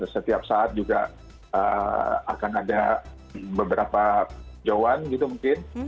setiap saat juga akan ada beberapa jauhan gitu mungkin